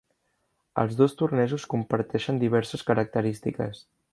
Els dos tornejos comparteixen diverses característiques.